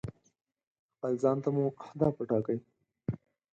خپل ځان ته مو اهداف ټاکئ.